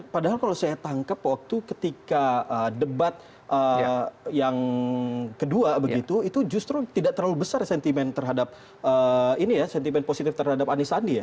padahal kalau saya tangkap waktu ketika debat yang kedua begitu itu justru tidak terlalu besar sentimen terhadap ini ya sentimen positif terhadap anisandi ya